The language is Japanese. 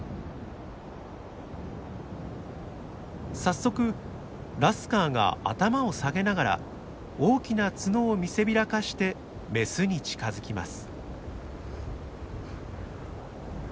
早速ラスカーが頭を下げながら大きな角を見せびらかしてメスに近づきます。